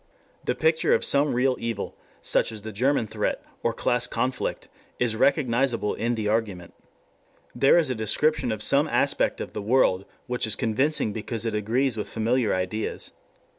The picture of some real evil, such as the German threat or class conflict, is recognizable in the argument. There is a description of some aspect of the world which is convincing because it agrees with familiar ideas.